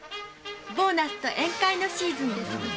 ボーナスと宴会のシーズンです。